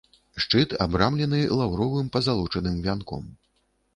Шчыт абрамлены лаўровым пазалочаным вянком.